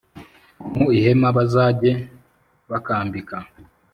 Mu ihema bazajye bakambika